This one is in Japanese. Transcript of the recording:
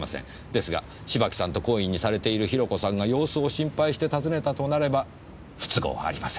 ですが芝木さんと懇意にされているヒロコさんが様子を心配して訪ねたとなれば不都合はありません。